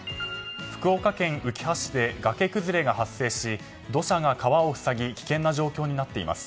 福岡県うきは市で崖崩れが発生し土砂が川を塞ぎ危険な状況になっています。